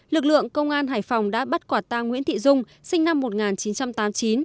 lực lượng công an hải phòng đã bắt quả tang nguyễn thị dung sinh năm một nghìn chín trăm tám mươi chín